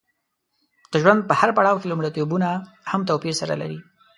د ژوند په هر پړاو کې لومړیتوبونه هم توپیر سره لري.